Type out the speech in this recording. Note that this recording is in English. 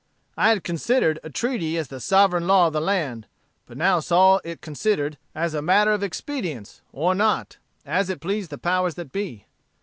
"I had considered a treaty as the sovereign law of the land; but now saw it considered as a matter of expedience, or not, as it pleased the powers that be.